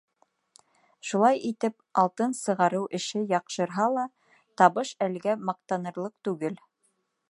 Шулай итеп, алтын сығарыу эше яҡшырһа ла, табыш әлегә маҡтанырлыҡ түгел.